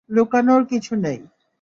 লুকানোর কিছু নেই।